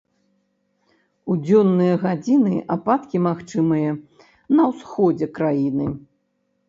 У дзённыя гадзіны ападкі магчымыя на ўсходзе краіны.